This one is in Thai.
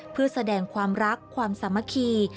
เพื่อแสดงความรักความสามัคคี